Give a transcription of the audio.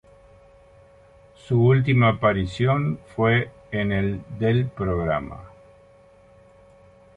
Su última aparición fue en el del programa.